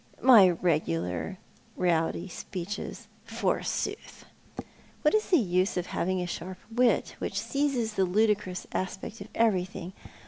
My regular rowdy speeches, forsooth ! What is the use of having a sharp wit, which seizes the ludicrous aspect of everything